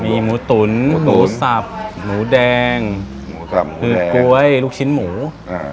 มีหมูตุ๋นหมูสับหมูแดงหมูสับคือก๊วยลูกชิ้นหมูอ่า